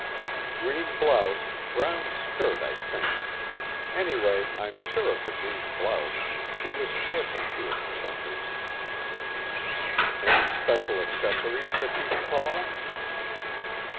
"Green blouse, brown skirt I think. Anyway I'm sure of the green blouse, she was partial to it for some reason." "Any special accessories that you recall?"